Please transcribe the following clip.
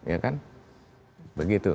ya kan begitu